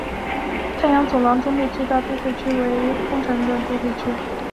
太阳走廊中最大的都会区为凤凰城都会区太阳谷和图森都会区。